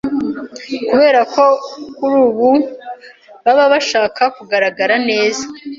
kubera ko kuri ubu baba bashaka kugaragara neza.